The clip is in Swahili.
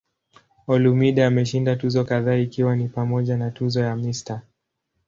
Olumide ameshinda tuzo kadhaa ikiwa ni pamoja na tuzo ya "Mr.